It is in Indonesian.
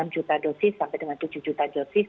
enam juta dosis sampai dengan tujuh juta dosis